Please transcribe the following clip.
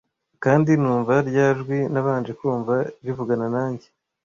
kandi numva rya jwi nabanje kumva rivugana nanjye